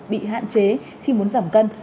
bị hạn chế khi muốn giảm cân